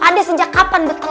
pak de sejak kapan bertelur